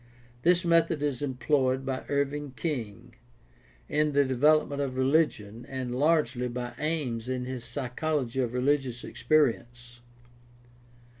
This method is PRACTICAL THEOLOGY 669 employed by Irving King in the Development of Religion, and largely by Ames in his Psychology of Religious Experience.